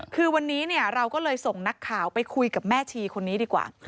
คือวันนี้เราก็เลยส่งนักข่าวไปคุยกับแม่ชีคนนี้ดีกว่า